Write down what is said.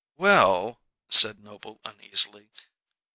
"Well " said Noble uneasily.